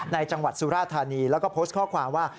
จังหวัดสุราธานีแล้วก็โพสต์ข้อความว่า